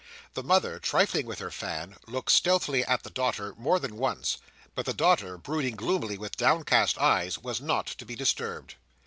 The mother, trifling with her fan, looked stealthily at the daughter more than once, but the daughter, brooding gloomily with downcast eyes, was not to be disturbed.